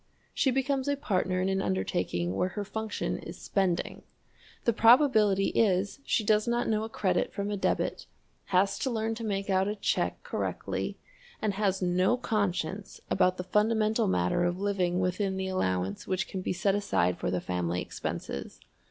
She becomes a partner in an undertaking where her function is spending. The probability is she does not know a credit from a debit, has to learn to make out a check correctly, and has no conscience about the fundamental matter of living within the allowance which can be set aside for the family expenses.